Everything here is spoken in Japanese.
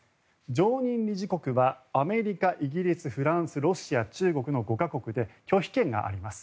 常任理事国はアメリカ、イギリス、フランスロシア、中国の５か国で拒否権があります。